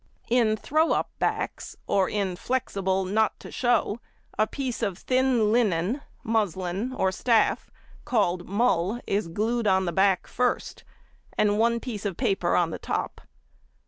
In "throw up" backs, or in "flexible not to show," a piece of thin linen (muslin) or staff called mull is glued on the back first, and one piece of paper on the top.